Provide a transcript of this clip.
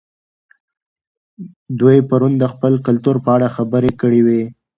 دوی پرون د خپل کلتور په اړه خبرې کړې وې.